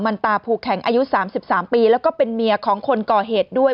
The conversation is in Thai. มันตาภูแข็งอายุ๓๓ปีแล้วก็เป็นเมียของคนก่อเหตุด้วย